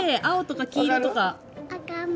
青とか黄色とか。